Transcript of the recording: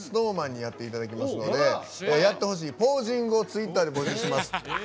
ＳｎｏｗＭａｎにやっていただきますのでやってほしいポージングをツイッターで募集します。